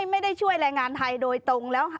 ไม่ได้ช่วยแรงงานไทยโดยตรงแล้ว